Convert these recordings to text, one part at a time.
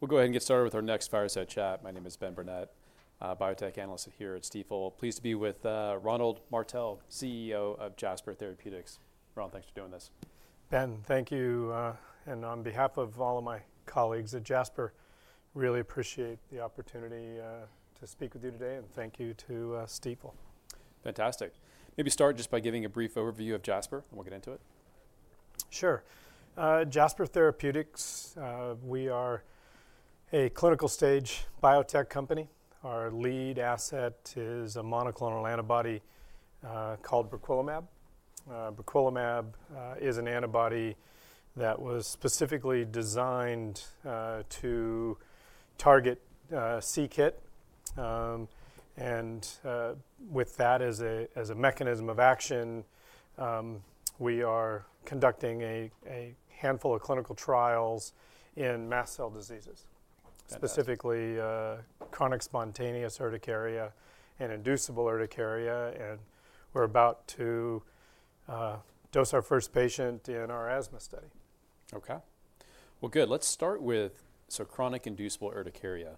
We'll go ahead and get started with our next fireside chat. My name is Ben Burnett, biotech analyst here at Stifel. Pleased to be with Ronald Martell, CEO of Jasper Therapeutics. Ronald, thanks for doing this. Ben, thank you. And on behalf of all of my colleagues at Jasper, I really appreciate the opportunity to speak with you today, and thank you to Stifel. Fantastic. Maybe start just by giving a brief overview of Jasper, and we'll get into it. Sure. Jasper Therapeutics, we are a clinical-stage biotech company. Our lead asset is a monoclonal antibody called briquilimab. Briquilimab is an antibody that was specifically designed to target c-Kit, and with that as a mechanism of action, we are conducting a handful of clinical trials in mast cell diseases, specifically chronic spontaneous urticaria and inducible urticaria, and we're about to dose our first patient in our asthma study. Let's start with chronic inducible urticaria.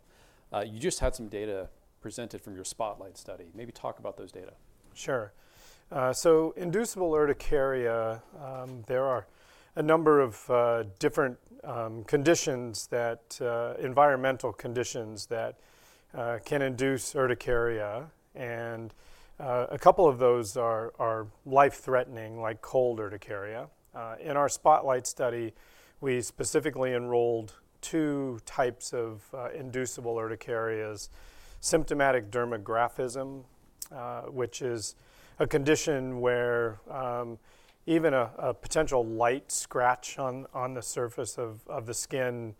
You just had some data presented from your Spotlight study. Maybe talk about those data. Sure. So inducible urticaria, there are a number of different environmental conditions that can induce urticaria. And a couple of those are life-threatening, like cold urticaria. In our Spotlight study, we specifically enrolled two types of inducible urticarias: symptomatic dermographism, which is a condition where even a potential light scratch on the surface of the skin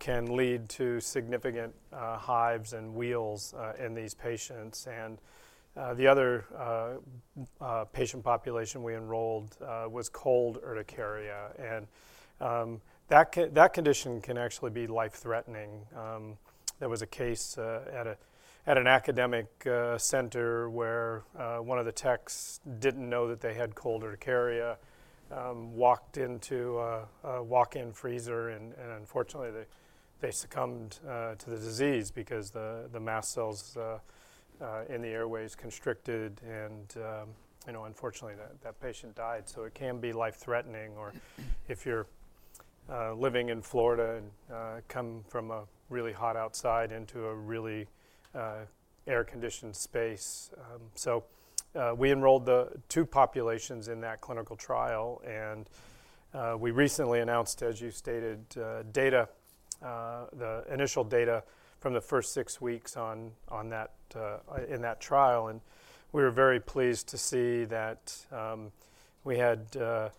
can lead to significant hives and wheals in these patients. And the other patient population we enrolled was cold urticaria. And that condition can actually be life-threatening. There was a case at an academic center where one of the techs didn't know that they had cold urticaria, walked into a walk-in freezer, and unfortunately, they succumbed to the disease because the mast cells in the airways constricted. And unfortunately, that patient died. So it can be life-threatening. or if you're living in Florida and come from a really hot outside into a really air-conditioned space, so we enrolled the two populations in that clinical trial, and we recently announced, as you stated, the initial data from the first six weeks in that trial, and we were very pleased to see that we had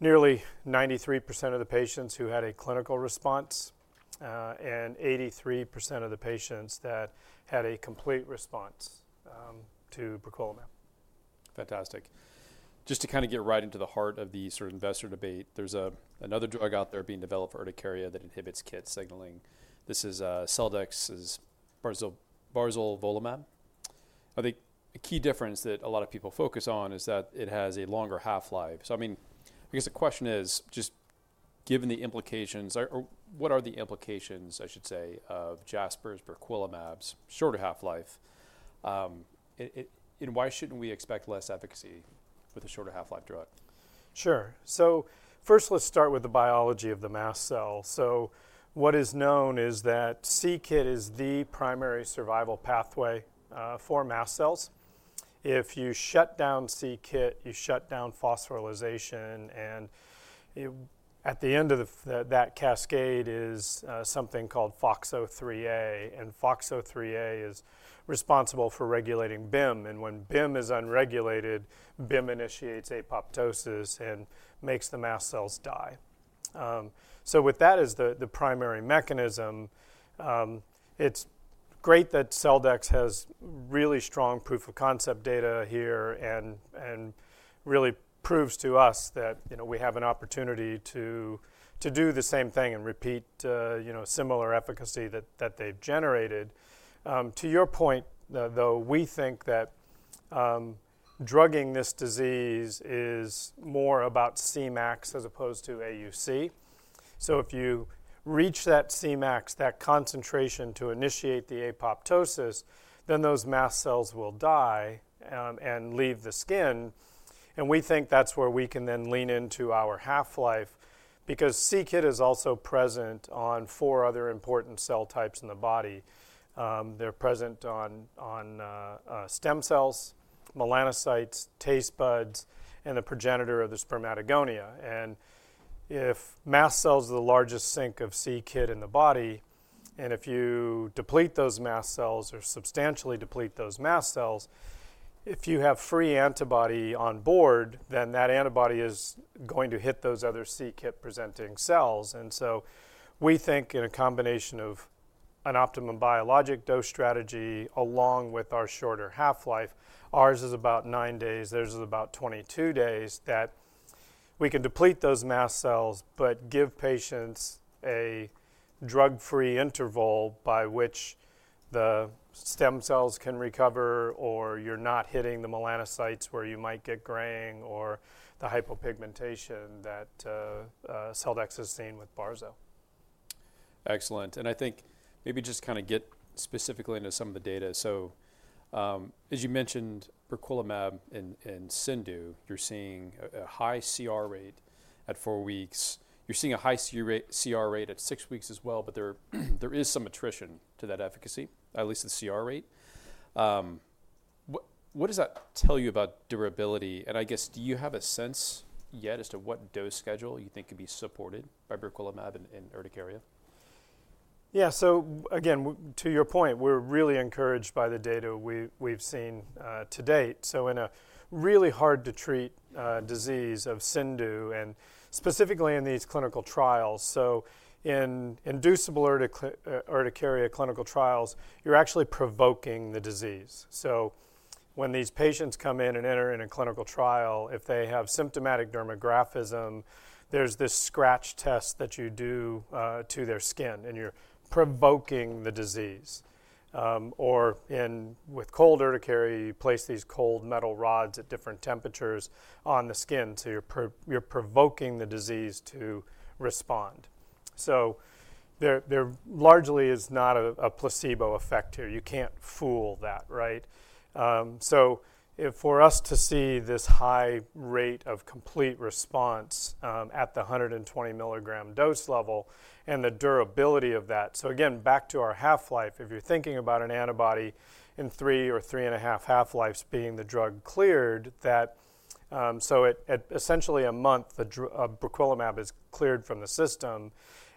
nearly 93% of the patients who had a clinical response and 83% of the patients that had a complete response to briquilimab. Fantastic. Just to kind of get right into the heart of the investor debate, there's another drug out there being developed for urticaria that inhibits KIT signaling. This is Celldex barzolvolimab. I think a key difference that a lot of people focus on is that it has a longer half-life. So I guess the question is, just given the implications, what are the implications, I should say, of Jasper's briquilimab's shorter half-life? And why shouldn't we expect less efficacy with a shorter half-life drug? Sure. So first, let's start with the biology of the mast cell. So what is known is that c-Kit is the primary survival pathway for mast cells. If you shut down c-Kit, you shut down phosphorylation. And at the end of that cascade is something called FOXO3A. And FOXO3A is responsible for regulating BIM. And when BIM is unregulated, BIM initiates apoptosis and makes the mast cells die. So with that as the primary mechanism, it's great that Celldex has really strong proof of concept data here and really proves to us that we have an opportunity to do the same thing and repeat similar efficacy that they've generated. To your point, though, we think that drugging this disease is more about Cmax as opposed to AUC. So if you reach that Cmax, that concentration to initiate the apoptosis, then those mast cells will die and leave the skin. We think that's where we can then lean into our half-life, because c-Kit is also present on four other important cell types in the body. They're present on stem cells, melanocytes, taste buds, and the progenitor of the spermatogonia. If mast cells are the largest sink of c-Kit in the body, and if you deplete those mast cells or substantially deplete those mast cells, if you have free antibody on board, then that antibody is going to hit those other c-Kit presenting cells. We think in a combination of an optimum biologic dose strategy along with our shorter half-life, ours is about nine days, theirs is about 22 days, that we can deplete those mast cells but give patients a drug-free interval by which the stem cells can recover, or you're not hitting the melanocytes where you might get graying or the hypopigmentation that Celldex has seen with Barzo. Excellent. And I think maybe just kind of get specifically into some of the data. So as you mentioned, briquilimab and CindU, you're seeing a high CR rate at four weeks. You're seeing a high CR rate at six weeks as well, but there is some attrition to that efficacy, at least the CR rate. What does that tell you about durability? And I guess, do you have a sense yet as to what dose schedule you think could be supported by briquilimab in urticaria? Yeah. So again, to your point, we're really encouraged by the data we've seen to date. So in a really hard-to-treat disease of CIndU, and specifically in these clinical trials, so in inducible urticaria clinical trials, you're actually provoking the disease. So when these patients come in and enter in a clinical trial, if they have symptomatic dermographism, there's this scratch test that you do to their skin, and you're provoking the disease. Or with cold urticaria, you place these cold metal rods at different temperatures on the skin, so you're provoking the disease to respond. So there largely is not a placebo effect here. You can't fool that, right? So for us to see this high rate of complete response at the 120-milligram dose level and the durability of that, so again, back to our half-life, if you're thinking about an antibody in three or three-and-a-half half-lives being the drug cleared, so at essentially a month, briquilimab is cleared from the system.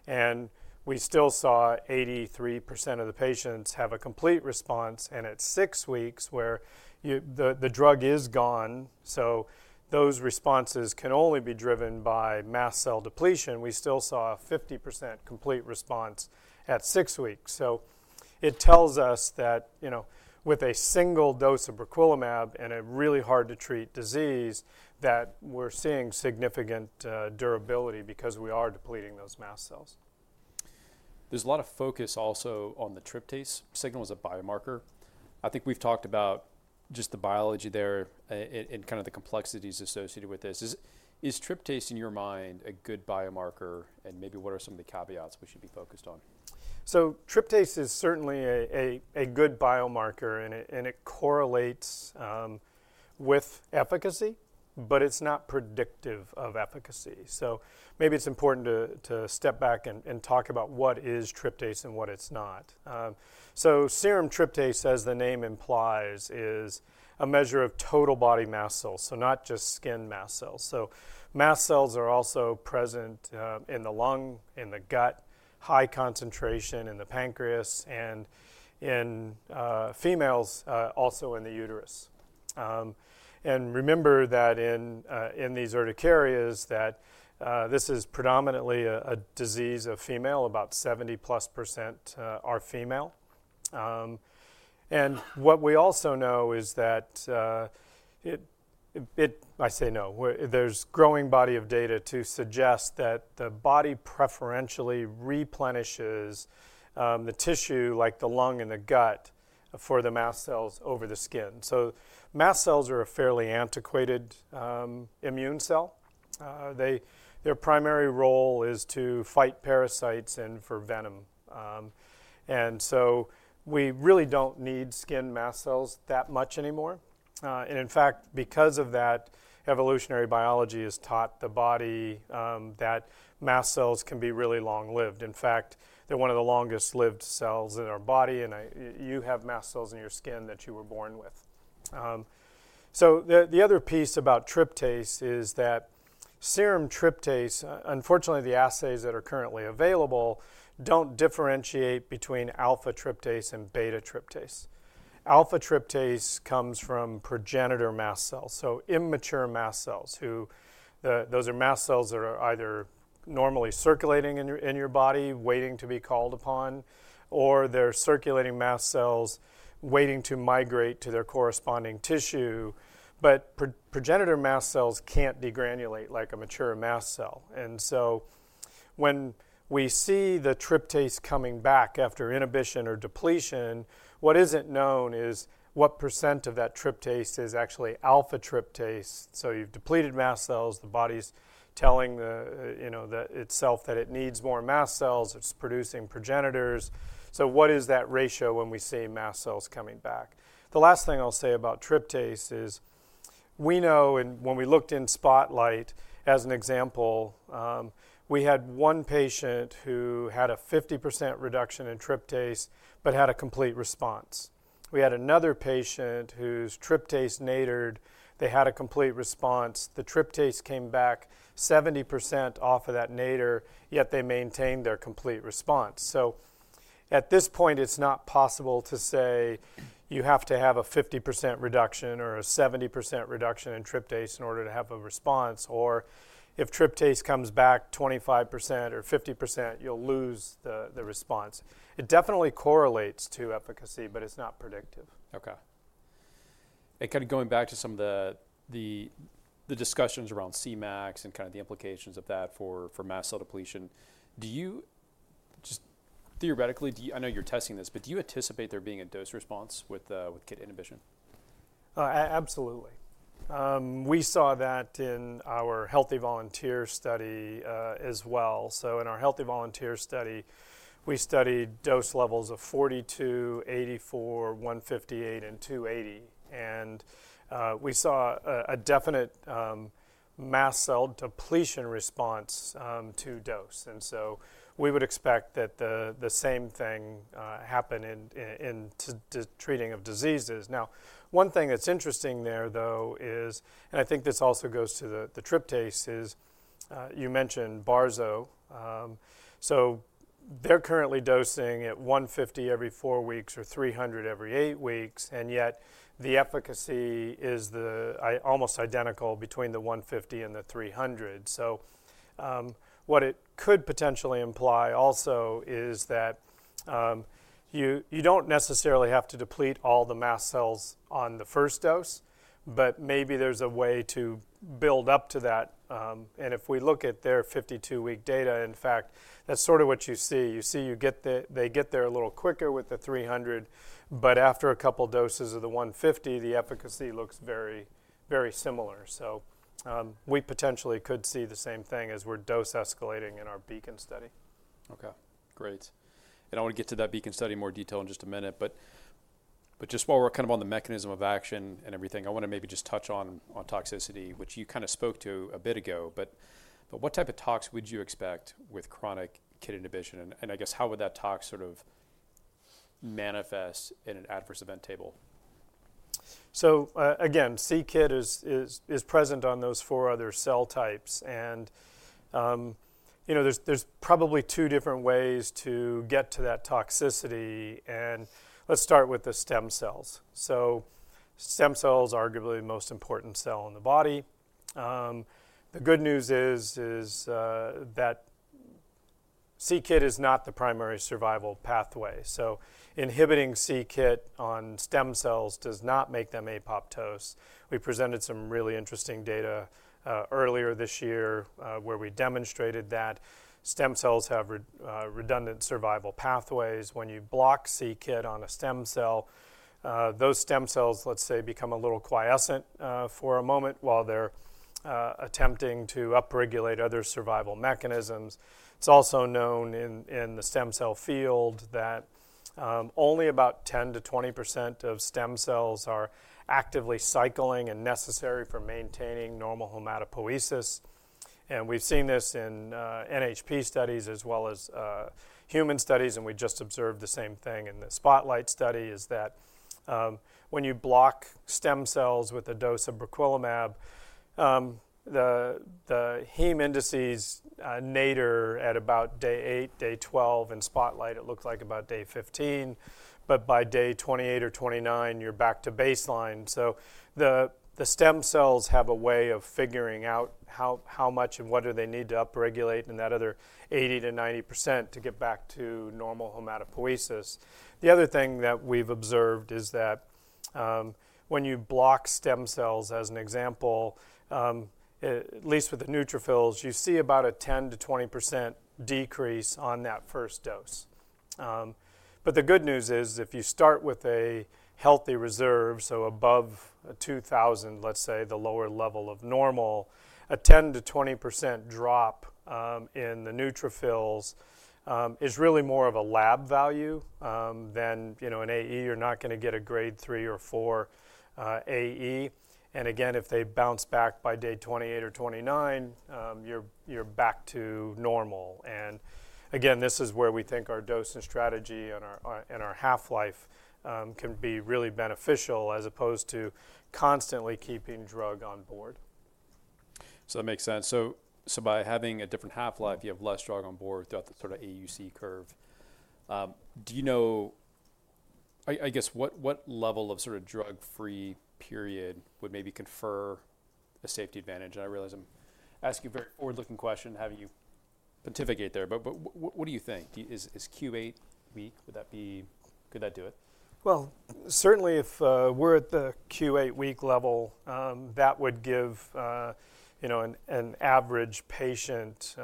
And we still saw 83% of the patients have a complete response and at six weeks where the drug is gone. So those responses can only be driven by mast cell depletion. We still saw a 50% complete response at six weeks. So it tells us that with a single dose of briquilimab and a really hard-to-treat disease, that we're seeing significant durability because we are depleting those mast cells. There's a lot of focus also on the tryptase signal as a biomarker. I think we've talked about just the biology there and kind of the complexities associated with this. Is tryptase, in your mind, a good biomarker? And maybe what are some of the caveats we should be focused on? So tryptase is certainly a good biomarker, and it correlates with efficacy, but it's not predictive of efficacy. So maybe it's important to step back and talk about what is tryptase and what it's not. So serum tryptase, as the name implies, is a measure of total body mast cells, so not just skin mast cells. So mast cells are also present in the lung, in the gut, high concentration in the pancreas, and in females, also in the uterus. And remember that in these urticarias, this is predominantly a disease of female. About 70+% are female. And what we also know is that there's a growing body of data to suggest that the body preferentially replenishes the tissue, like the lung and the gut, for the mast cells over the skin. So mast cells are a fairly antiquated immune cell. Their primary role is to fight parasites and for venom, and so we really don't need skin mast cells that much anymore. And in fact, because of that, evolutionary biology has taught the body that mast cells can be really long-lived. In fact, they're one of the longest-lived cells in our body. You have mast cells in your skin that you were born with, so the other piece about tryptase is that serum tryptase, unfortunately, the assays that are currently available don't differentiate between alpha tryptase and beta tryptase. Alpha tryptase comes from progenitor mast cells, so immature mast cells. Those are mast cells that are either normally circulating in your body, waiting to be called upon, or they're circulating mast cells waiting to migrate to their corresponding tissue, but progenitor mast cells can't degranulate like a mature mast cell. When we see the tryptase coming back after inhibition or depletion, what isn't known is what percent of that tryptase is actually alpha tryptase. You've depleted mast cells. The body's telling itself that it needs more mast cells. It's producing progenitors. What is that ratio when we see mast cells coming back? The last thing I'll say about tryptase is we know, and when we looked in Spotlight, as an example, we had one patient who had a 50% reduction in tryptase but had a complete response. We had another patient whose tryptase nadir'd. They had a complete response. The tryptase came back 70% off of that nadir, yet they maintained their complete response. At this point, it's not possible to say you have to have a 50% reduction or a 70% reduction in tryptase in order to have a response. Or if tryptase comes back 25% or 50%, you'll lose the response. It definitely correlates to efficacy, but it's not predictive. Okay, and kind of going back to some of the discussions around Cmax and kind of the implications of that for mast cell depletion, just theoretically, I know you're testing this, but do you anticipate there being a dose response with KIT inhibition? Absolutely. We saw that in our healthy volunteer study as well, so in our healthy volunteer study, we studied dose levels of 42, 84, 158, and 280, and we saw a definite mast cell depletion response to dose, and so we would expect that the same thing happen in treating of diseases. Now, one thing that's interesting there, though, is, and I think this also goes to the tryptase, is you mentioned Barzo, so they're currently dosing at 150 every four weeks or 300 every eight weeks, and yet the efficacy is almost identical between the 150 and the 300, so what it could potentially imply also is that you don't necessarily have to deplete all the mast cells on the first dose, but maybe there's a way to build up to that, and if we look at their 52-week data, in fact, that's sort of what you see. You see they get there a little quicker with the 300, but after a couple of doses of the 150, the efficacy looks very, very similar. So we potentially could see the same thing as we're dose escalating in our Beacon study. Okay. Great. And I want to get to that Beacon study in more detail in just a minute. But just while we're kind of on the mechanism of action and everything, I want to maybe just touch on toxicity, which you kind of spoke to a bit ago. But what type of tox would you expect with chronic KIT inhibition? And I guess, how would that tox sort of manifest in an adverse event table? Again, c-Kit is present on those four other cell types. And there's probably two different ways to get to that toxicity. And let's start with the stem cells. Stem cell is arguably the most important cell in the body. The good news is that c-Kit is not the primary survival pathway. Inhibiting c-Kit on stem cells does not make them apoptose. We presented some really interesting data earlier this year where we demonstrated that stem cells have redundant survival pathways. When you block c-Kit on a stem cell, those stem cells, let's say, become a little quiescent for a moment while they're attempting to upregulate other survival mechanisms. It's also known in the stem cell field that only about 10%-20% of stem cells are actively cycling and necessary for maintaining normal hematopoiesis. And we've seen this in NHP studies as well as human studies. We just observed the same thing in the Spotlight study, is that when you block stem cells with a dose of briquilmab, the heme indices nadir at about day eight, day 12. In Spotlight, it looked like about day 15. By day 28 or 29, you're back to baseline. The stem cells have a way of figuring out how much and what do they need to upregulate in that other 80%-90% to get back to normal hematopoiesis. The other thing that we've observed is that when you block stem cells, as an example, at least with the neutrophils, you see about a 10%-20% decrease on that first dose. But the good news is if you start with a healthy reserve, so above 2,000, let's say, the lower level of normal, a 10%-20% drop in the neutrophils is really more of a lab value than an AE. You're not going to get a grade 3 or 4 AE. And again, if they bounce back by day 28 or 29, you're back to normal. And again, this is where we think our dose and strategy and our half-life can be really beneficial as opposed to constantly keeping drug on board. So that makes sense. So by having a different half-life, you have less drug on board throughout the sort of AUC curve. Do you know, I guess, what level of sort of drug-free period would maybe confer a safety advantage? And I realize I'm asking a very forward-looking question, having you pontificate there. But what do you think? Is Q8 weak? Would that be good? Certainly, if we're at the Q8 week level, that would give an average patient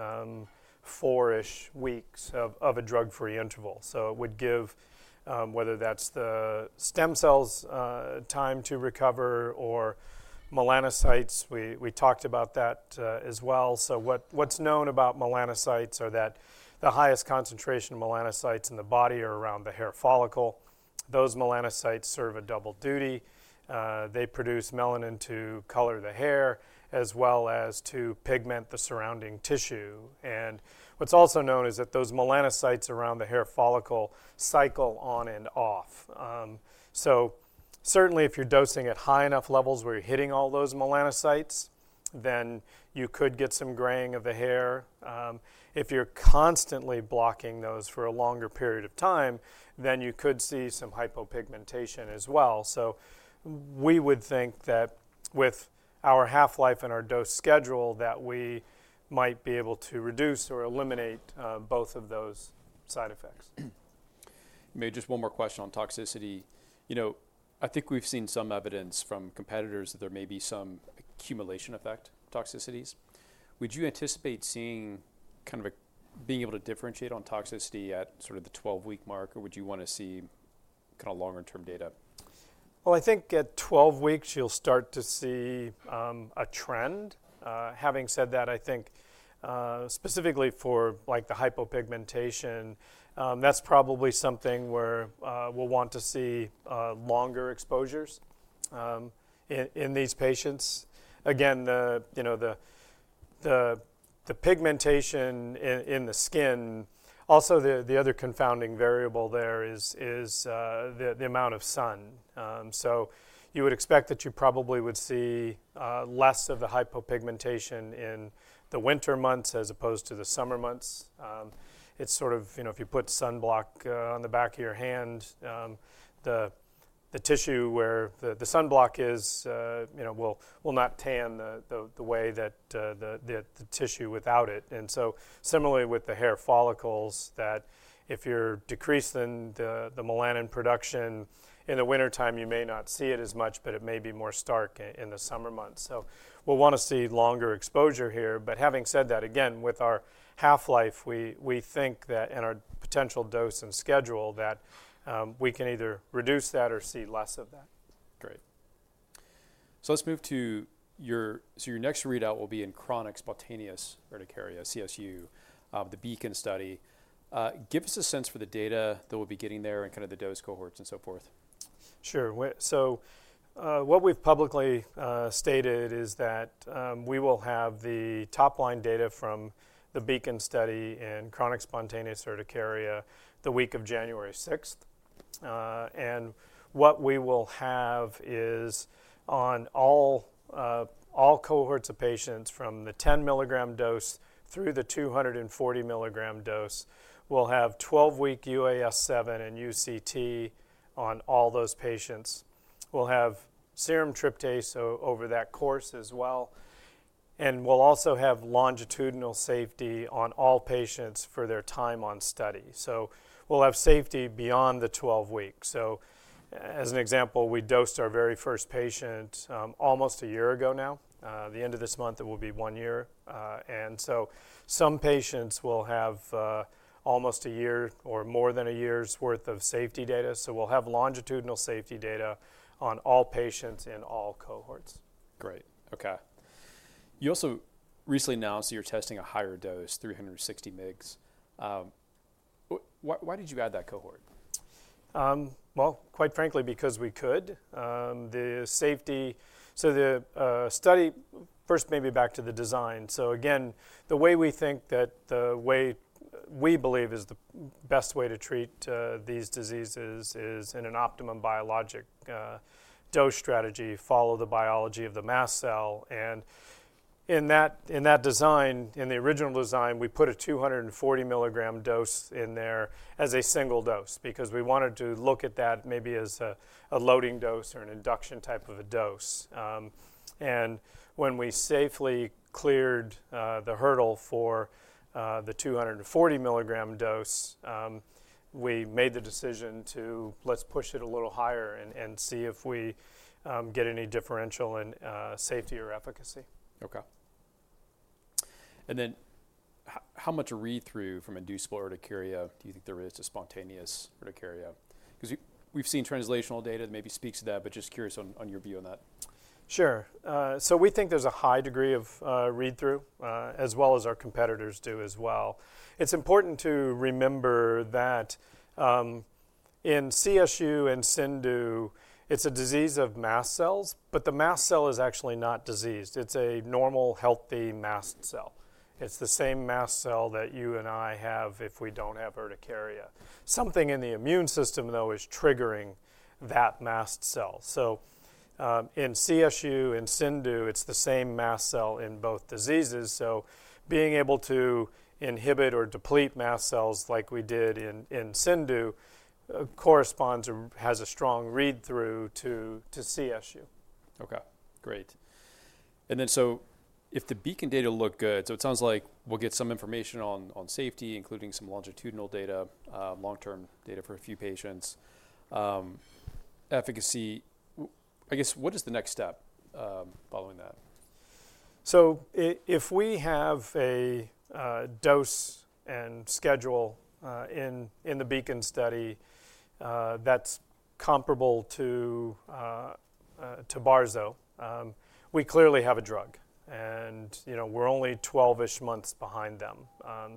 four-ish weeks of a drug-free interval. It would give, whether that's the stem cells' time to recover or melanocytes. We talked about that as well. What's known about melanocytes is that the highest concentration of melanocytes in the body are around the hair follicle. Those melanocytes serve a double duty. They produce melanin to color the hair as well as to pigment the surrounding tissue. And what's also known is that those melanocytes around the hair follicle cycle on and off. Certainly, if you're dosing at high enough levels where you're hitting all those melanocytes, then you could get some graying of the hair. If you're constantly blocking those for a longer period of time, then you could see some hypopigmentation as well. So we would think that with our half-life and our dose schedule, that we might be able to reduce or eliminate both of those side effects. Maybe just one more question on toxicity. I think we've seen some evidence from competitors that there may be some accumulation effect toxicities. Would you anticipate seeing kind of being able to differentiate on toxicity at sort of the 12-week mark, or would you want to see kind of longer-term data? I think at 12 weeks, you'll start to see a trend. Having said that, I think specifically for the hypopigmentation, that's probably something where we'll want to see longer exposures in these patients. Again, the pigmentation in the skin. Also, the other confounding variable there is the amount of sun. You would expect that you probably would see less of the hypopigmentation in the winter months as opposed to the summer months. It's sort of if you put sunblock on the back of your hand, the tissue where the sunblock is will not tan the way that the tissue without it. And so similarly with the hair follicles, that if you're decreasing the melanin production in the wintertime, you may not see it as much, but it may be more stark in the summer months. We'll want to see longer exposure here. But having said that, again, with our half-life, we think that in our potential dose and schedule, that we can either reduce that or see less of that. Great. So let's move to your next readout will be in chronic spontaneous urticaria, CSU, the Beacon study. Give us a sense for the data that we'll be getting there and kind of the dose cohorts and so forth. Sure. So what we've publicly stated is that we will have the top-line data from the Beacon study in chronic spontaneous urticaria the week of January 6, and what we will have is on all cohorts of patients from the 10-milligram dose through the 240-milligram dose. We'll have 12-week UAS7 and UCT on all those patients. We'll have serum tryptase over that course as well, and we'll also have longitudinal safety on all patients for their time on study, so we'll have safety beyond the 12 weeks, so as an example, we dosed our very first patient almost a year ago now. The end of this month, it will be one year, and so some patients will have almost a year or more than a year's worth of safety data, so we'll have longitudinal safety data on all patients in all cohorts. Great. Okay. You also recently announced that you're testing a higher dose, 360 mg. Why did you add that cohort? Well, quite frankly, because we could. So the study, first, maybe back to the design. So again, the way we think that the way we believe is the best way to treat these diseases is in an optimum biologic dose strategy, follow the biology of the mast cell. And in that design, in the original design, we put a 240-milligram dose in there as a single dose because we wanted to look at that maybe as a loading dose or an induction type of a dose. And when we safely cleared the hurdle for the 240-milligram dose, we made the decision, too. Let's push it a little higher and see if we get any differential in safety or efficacy. Okay. And then how much read-through from inducible urticaria do you think there is to spontaneous urticaria? Because we've seen translational data that maybe speaks to that, but just curious on your view on that. Sure. So we think there's a high degree of read-through as well as our competitors do as well. It's important to remember that in CSU and CIndU, it's a disease of mast cells, but the mast cell is actually not diseased. It's the same mast cell that you and I have if we don't have urticaria. Something in the immune system, though, is triggering that mast cell. So in CSU and CIndU, it's the same mast cell in both diseases. So being able to inhibit or deplete mast cells like we did in CIndU corresponds or has a strong read-through to CSU. Okay. Great. And then so if the Beacon data look good, so it sounds like we'll get some information on safety, including some longitudinal data, long-term data for a few patients. Efficacy, I guess, what is the next step following that? So if we have a dose and schedule in the Beacon study that's comparable to Barzo, we clearly have a drug. And we're only 12-ish months behind them.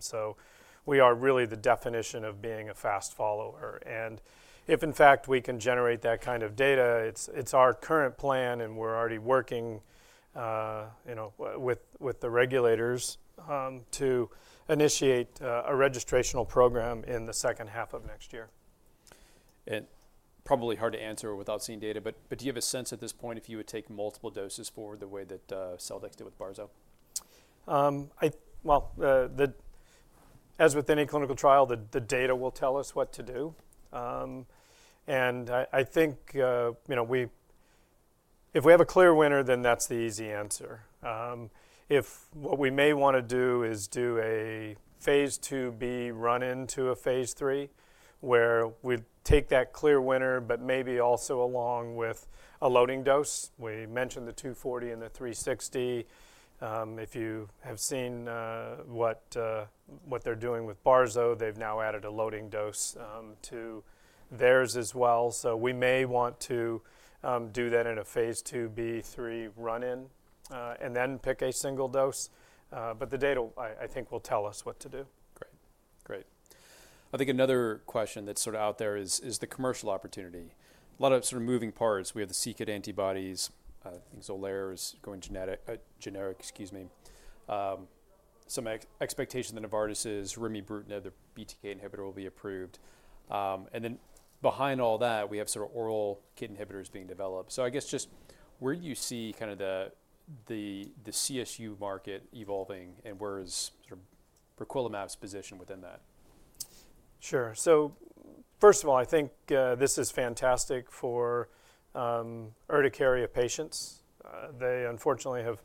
So we are really the definition of being a fast follower. And if, in fact, we can generate that kind of data, it's our current plan, and we're already working with the regulators to initiate a registrational program in the second half of next year. Probably hard to answer without seeing data, but do you have a sense at this point if you would take multiple doses for the way that Celdex did with Barzo? As with any clinical trial, the data will tell us what to do, and I think if we have a clear winner, then that's the easy answer. What we may want to do is do a phase II B run into a phase III where we take that clear winner, but maybe also along with a loading dose. We mentioned the 240 and the 360. If you have seen what they're doing with Barzo, they've now added a loading dose to theirs as well, so we may want to do that in a phase II B, 3 run-in and then pick a single dose, but the data, I think, will tell us what to do. Great. Great. I think another question that's sort of out there is the commercial opportunity. A lot of sort of moving parts. We have the c-Kit antibodies, I think Xolair is going generic, excuse me. Some expectation that Novartis' remibrutinib, the BTK inhibitor, will be approved. And then behind all that, we have sort of oral KIT inhibitors being developed. So I guess just where do you see kind of the CSU market evolving and where is briquilmab's position within that? Sure. So first of all, I think this is fantastic for urticaria patients. They unfortunately have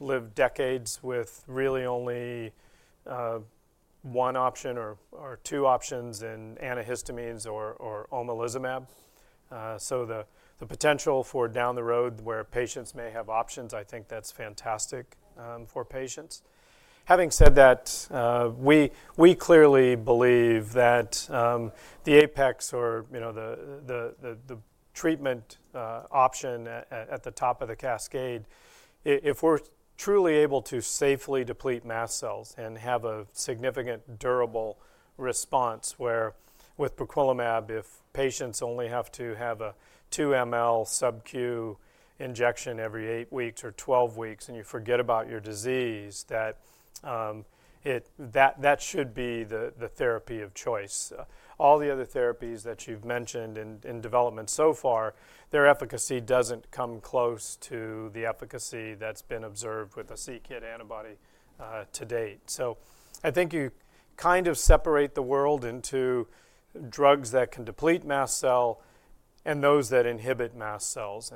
lived decades with really only one option or two options in antihistamines or omalizumab. So the potential for down the road where patients may have options, I think that's fantastic for patients. Having said that, we clearly believe that the apex or the treatment option at the top of the cascade, if we're truly able to safely deplete mast cells and have a significant durable response where with briquilimab, if patients only have to have a 2-mL subcu injection every eight weeks or 12 weeks and you forget about your disease, that should be the therapy of choice. All the other therapies that you've mentioned in development so far, their efficacy doesn't come close to the efficacy that's been observed with a c-Kit antibody to date. I think you kind of separate the world into drugs that can deplete mast cell and those that inhibit mast cells.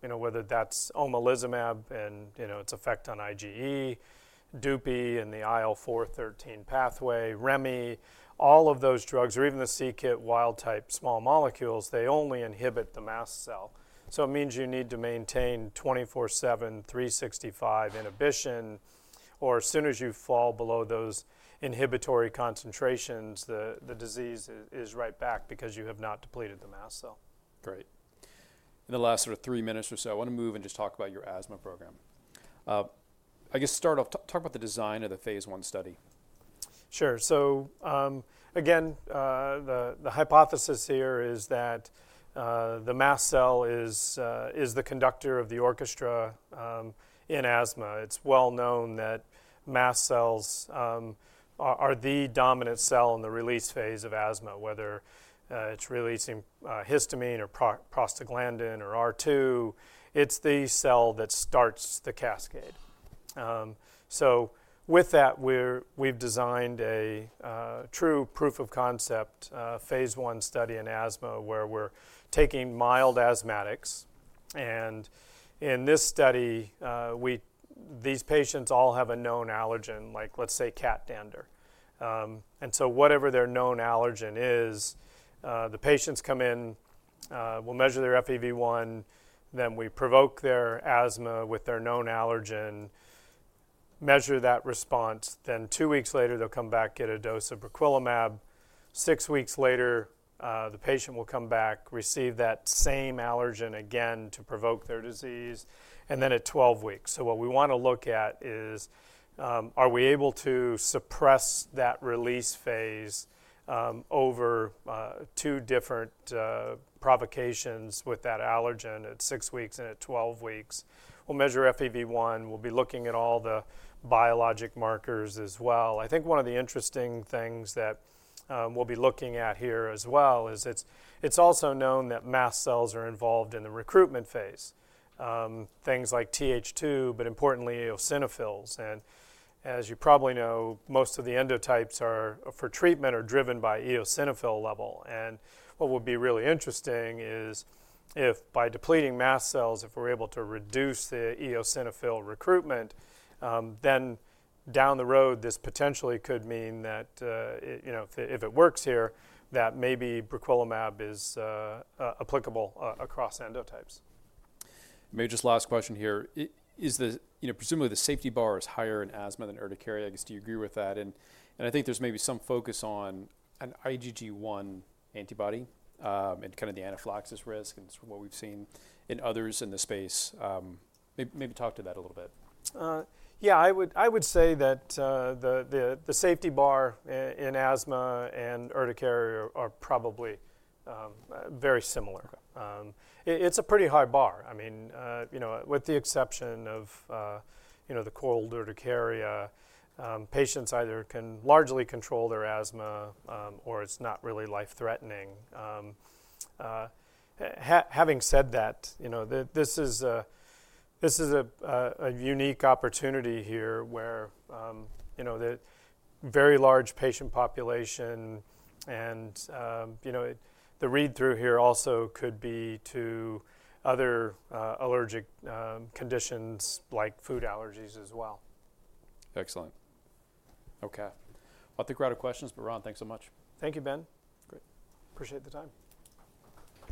Whether that's omalizumab and its effect on IgE, DUPI and the IL-4/13 pathway, Remi, all of those drugs, or even the c-Kit wild-type small molecules, they only inhibit the mast cell. It means you need to maintain 24/7, 365 inhibition, or as soon as you fall below those inhibitory concentrations, the disease is right back because you have not depleted the mast cell. Great. In the last sort of three minutes or so, I want to move and just talk about your asthma program. I guess start off, talk about the design of the phase 1 study. Sure. So again, the hypothesis here is that the mast cell is the conductor of the orchestra in asthma. It's well known that mast cells are the dominant cell in the release phase of asthma, whether it's releasing histamine or prostaglandin or R2. It's the cell that starts the cascade. So with that, we've designed a true proof of concept phase study in asthma where we're taking mild asthmatics. And in this study, these patients all have a known allergen, like let's say cat dander. And so whatever their known allergen is, the patients come in, we'll measure their FEV1, then we provoke their asthma with their known allergen, measure that response. Then two weeks later, they'll come back, get a dose of briquilimab. Six weeks later, the patient will come back, receive that same allergen again to provoke their disease, and then at 12 weeks. So what we want to look at is, are we able to suppress that release phase over two different provocations with that allergen at six weeks and at 12 weeks? We'll measure FEV1. We'll be looking at all the biologic markers as well. I think one of the interesting things that we'll be looking at here as well is it's also known that mast cells are involved in the recruitment phase, things like TH2, but importantly, eosinophils. And as you probably know, most of the endotypes for treatment are driven by eosinophil level. And what would be really interesting is if by depleting mast cells, if we're able to reduce the eosinophil recruitment, then down the road, this potentially could mean that if it works here, that maybe briquilimab is applicable across endotypes. Maybe just last question here. Presumably, the safety bar is higher in asthma than urticaria. I guess do you agree with that? And I think there's maybe some focus on an IgG1 antibody and kind of the anaphylaxis risk and sort of what we've seen in others in the space. Maybe talk to that a little bit. Yeah. I would say that the safety bar in asthma and urticaria are probably very similar. It's a pretty high bar. I mean, with the exception of the cold urticaria, patients either can largely control their asthma or it's not really life-threatening. Having said that, this is a unique opportunity here where the very large patient population and the read-through here also could be to other allergic conditions like food allergies as well. Excellent. Okay. I think we're out of questions, but Ron, thanks so much. Thank you, Ben. Great. Appreciate the time.